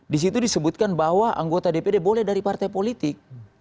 di situ disebutkan bahwa anggota dpd boleh dari partai politik